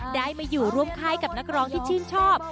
ได้มาอยู่ร่วมค่ายกับนักร้องที่ชื่นชอบ